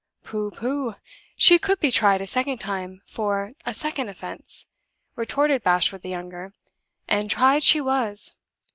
"Pooh! pooh! she could be tried a second time for a second offense," retorted Bashwood the younger "and tried she was.